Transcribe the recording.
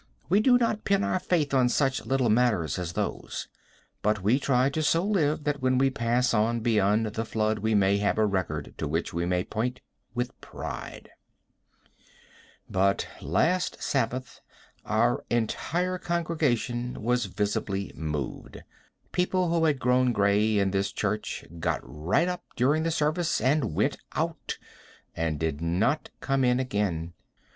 We do not pin our faith on such little matters as those, but we try to so live that when we pass on beyond the flood we may have a record to which we may point with pride. But last Sabbath our entire congregation was visibly moved. People who had grown gray in this church got right up during the service and went out, and did not come in again.